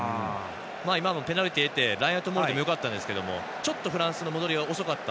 ペナルティーを得てラインアウトモールでもよかったんですがちょっとフランスの戻りが遅かった。